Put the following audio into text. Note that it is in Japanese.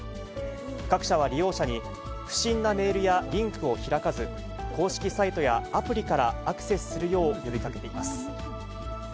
各社は利用者に、不審なメールやリンクを開かず、公式サイトやアプリからアクセスするよう呼びかけています。